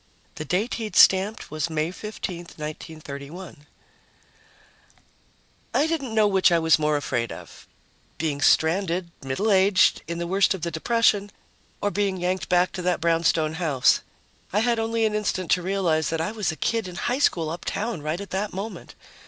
The date he'd stamped was May 15, 1931. I didn't know which I was more afraid of being stranded, middle aged, in the worst of the depression, or being yanked back to that brownstone house. I had only an instant to realize that I was a kid in high school uptown right at that moment.